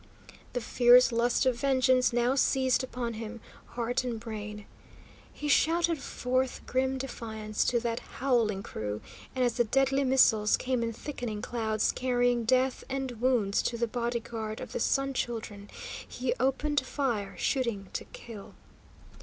The fierce lust of vengeance now seized upon him, heart and brain. He shouted forth grim defiance to that howling crew, and as the deadly missiles came in thickening clouds, carrying death and wounds to the bodyguard of the Sun Children, he opened fire, shooting to kill.